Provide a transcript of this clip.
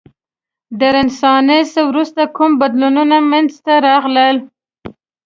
د رنسانس وروسته کوم بدلونونه منځته راغلل؟